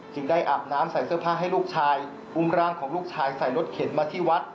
ได้อาบน้ำใส่เสื้อผ้าให้ลูกชายอุ้มร่างของลูกชายใส่รถเข็นมาที่วัด